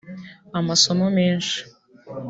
amasomo menshi